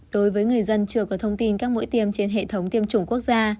đối với người dân chưa có thông tin các mũi tiêm trên hệ thống tiêm chủng quốc gia